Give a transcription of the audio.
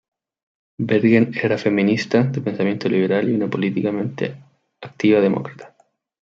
Bergen era feminista, de pensamiento liberal y una políticamente activa demócrata.